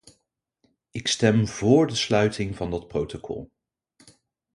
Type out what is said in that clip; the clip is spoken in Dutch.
Ik stem vóór de sluiting van dat protocol.